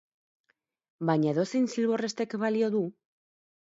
Baina edozein zilborrestek balio du?